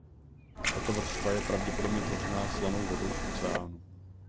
Tato vrstva je pravděpodobně tvořená slanou vodou v oceánu.